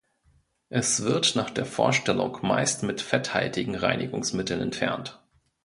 Es wird nach der Vorstellung meist mit fetthaltigen Reinigungsmitteln entfernt.